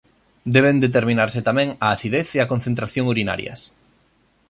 Deben determinarse tamén a acidez e a concentración urinarias.